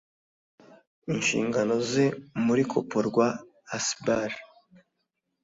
inshingano ze muri coporwa asbl